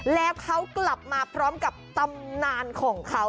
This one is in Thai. แล้วเขากลับมาพร้อมกับตำนานของเขา